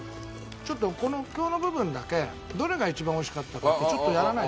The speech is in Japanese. ちょっと今日の部分だけどれが一番美味しかったかってちょっとやらないですか？